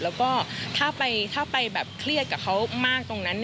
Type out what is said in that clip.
แล้วก็ถ้าไปแบบเครียดกับเขามากตรงนั้น